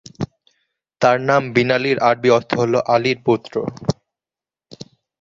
তার নাম, বিনালি-র আরবি অর্থ হল আলীর পুত্র।